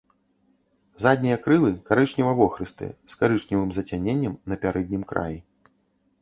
Заднія крылы карычнева-вохрыстыя, з карычневым зацяненнем на пярэднім краі.